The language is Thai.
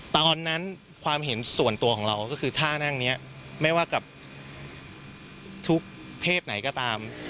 ตอนนั้นความเห็นส่วนตัวของเราก็คือท่านั่งนี้ไม่ว่ากับทุกเพศไหนก็ตาม